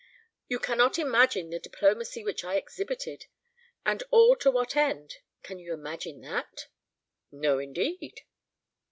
You cannot imagine the diplomacy which I exhibited; and all to what end? Can you imagine that?" "No, indeed."